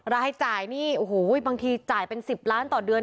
รายจ่ายนี่โอ้โหบางทีจ่ายเป็น๑๐ล้านต่อเดือน